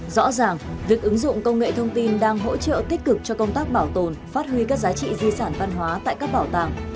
rõ ràng việc ứng dụng công nghệ thông tin đang hỗ trợ tích cực cho công tác bảo tồn phát huy các giá trị di sản văn hóa tại các bảo tàng